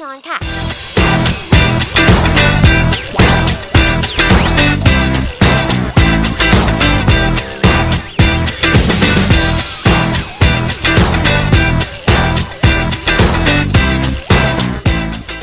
โดยเฉพาะเมนูเส้นหลากหลายสัญชาติ